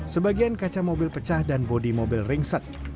sebagian kaca mobil pecah dan bodi mobil ringsek